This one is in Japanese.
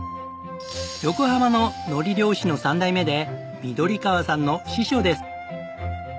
横浜の海苔漁師の３代目で緑川さんの師匠です。